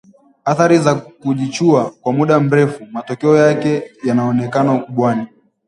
Athari za kujichua kwa muda mrefu, matokeo yake yanaonekana ukubwani